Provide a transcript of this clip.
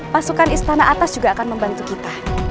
pasukan istana atas juga akan membantu kita